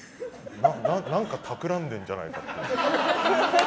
何か企んでるんじゃないかって。